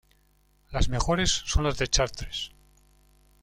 Las mejores son las de Chartres.